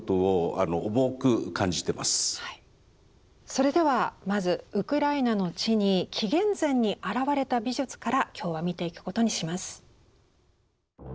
それではまずウクライナの地に紀元前に現れた美術から今日は見ていくことにします。